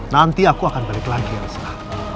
nanti aku akan balik lagi resah